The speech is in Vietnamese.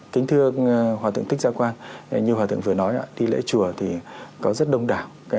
kính thưa hòa tượng thích gia quang như hòa tượng vừa nói đi lễ chùa thì có rất đông đảo